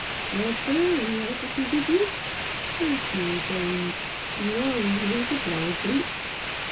" Well, sir, any help I can give you " "Thank you, James. You are always obliging.